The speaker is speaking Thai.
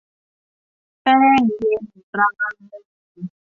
แป้งเย็นตรางู